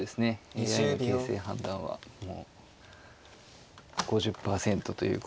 ＡＩの形勢判断はもう５０％ということで。